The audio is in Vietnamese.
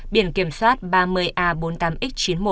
biển kiểm soát ba mươi a bốn mươi tám x chín mươi một